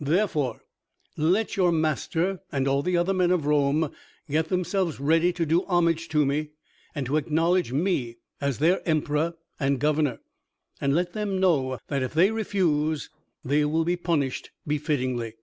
Therefore, let your master and all the other men of Rome get themselves ready to do homage to me, and to acknowledge me as their emperor and governor, and let them know that if they refuse, they will be punished befittingly."